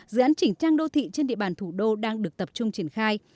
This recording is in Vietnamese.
dự án chỉnh trang đô thị trên địa bàn thủ đô đang được tập trung triển khai